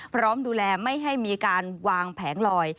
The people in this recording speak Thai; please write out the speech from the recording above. พร้อมดูแลไม่ให้มีการวางแผงลอย